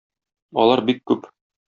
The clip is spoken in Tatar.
Алар бик күп.